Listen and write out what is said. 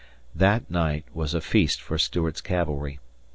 That night was a feast for Stuart's cavalry.